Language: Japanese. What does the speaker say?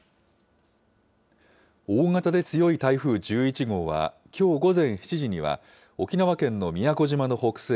大型で強い台風１１号は、きょう午前７時には、沖縄県の宮古島の北西